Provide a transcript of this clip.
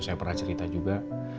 saya pernah cerita juga